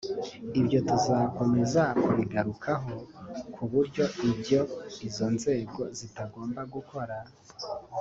Ibyo tuzakomeza kubigarukaho ku buryo ibyo izo nzego zitagomba gukora